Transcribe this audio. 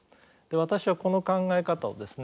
私はこの考え方をですね